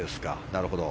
なるほど。